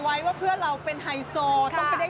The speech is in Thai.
ไม่ควรเปิ้งเมาทไมมั้ยนี้